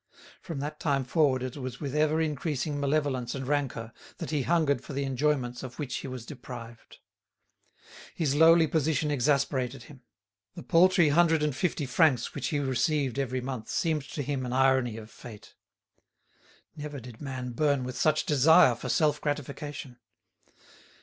From that time forward it was with ever increasing malevolence and rancour that he hungered for the enjoyments of which he was deprived. His lowly position exasperated him; the paltry hundred and fifty francs which he received every month seemed to him an irony of fate. Never did man burn with such desire for self gratification.